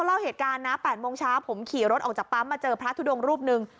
เล่าเหตุการณ์นะ๘โมงเช้าผมขี่รถออกจากปั๊มมาเจอพระทุดงรูปหนึ่ง